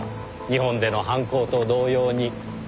日本での犯行と同様に。